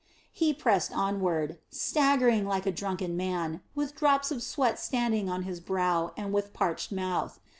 He pressed onward, staggering like a drunken man, with drops of sweat standing on his brow and with parched mouth.